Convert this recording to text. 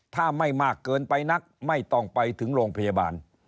ถ้าไม่มากเกินไปนักไม่ต้องไปถึงโรงพยาบาล